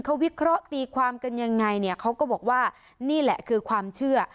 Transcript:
เขาวิเคราะห์ตีความกันยังไงเนี่ยเขาก็บอกว่านี่แหละคือความเชื่อ